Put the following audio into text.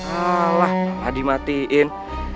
alah malah dimatiin